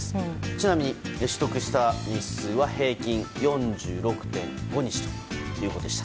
ちなみに取得した日数は平均４６．５日ということでした。